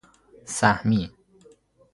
سهمی